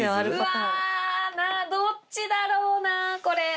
うわどっちだろうなこれ。